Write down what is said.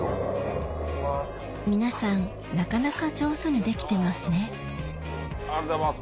皆さんなかなか上手にできてますね